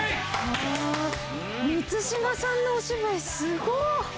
満島さんのお芝居すごっ！